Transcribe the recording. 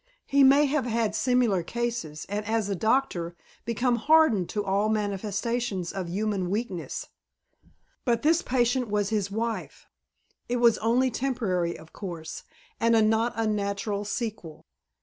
He may have had similar cases, and, as a doctor, become hardened to all manifestations of human weakness, but this patient was his wife. It was only temporary, of course, and a not unnatural sequel.